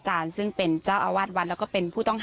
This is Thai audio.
ท่านคุณเองดาวยอมเทศมีการหลักทอดยนต์